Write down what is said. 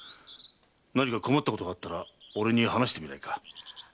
何か困ったことがあったら俺に話してみないか？